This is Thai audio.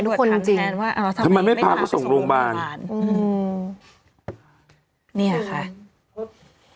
ว่าทำไมไม่พาก็ส่งโรงวาเสะนี้ค่ะ